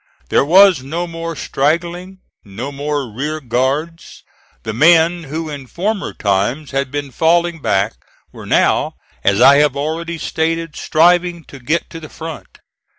There was no more straggling, no more rear guards. The men who in former times had been falling back, were now, as I have already stated, striving to get to the front.